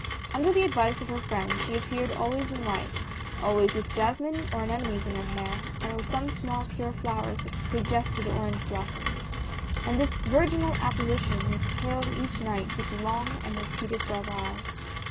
Under the advice of her friend, she appeared always in white — always with jasmine or anemones in her hair, or some small pure flowers which suggested orange blossoms — and this virginal apparition was hailed each night with long and repeated bravas.